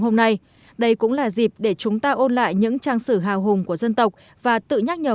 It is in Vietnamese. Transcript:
hôm nay đây cũng là dịp để chúng ta ôn lại những trang sử hào hùng của dân tộc và tự nhắc nhờ